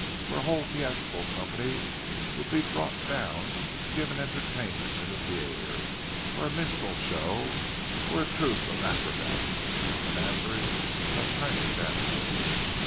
Or a whole theatrical company would be brought down to give an entertainment in the theatre; or a minstrel show, or a troupe of acrobats, or a menagerie of trained animals.